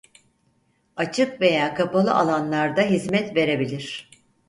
Açık veya kapalı alanlarda hizmet verebilir.